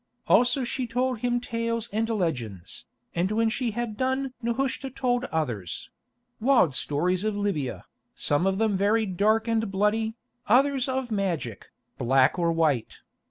Also she told him tales and legends, and when she had done Nehushta told others—wild stories of Libya, some of them very dark and bloody, others of magic, black or white.